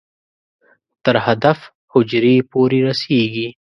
تر هدف حجرې پورې رسېږي.